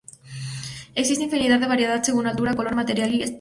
Existen infinidad de variedades según altura, color, material y estilo.